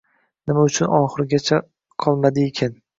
Nima uchun oxirigacha qolmadiykin